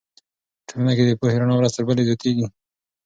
په ټولنه کې د پوهې رڼا ورځ تر بلې زیاتېږي.